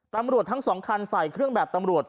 ทั้ง๒คันใส่เครื่องแบบตำรวจ